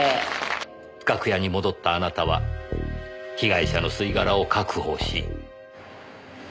楽屋に戻ったあなたは被害者の吸い殻を確保し。